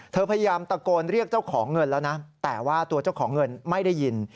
พยายามตะโกนเรียกเจ้าของเงินแล้วนะแต่ว่าตัวเจ้าของเงินไม่ได้ยิน